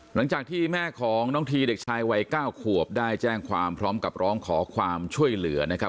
หลังจากที่แม่ของน้องทีเด็กชายวัย๙ขวบได้แจ้งความพร้อมกับร้องขอความช่วยเหลือนะครับ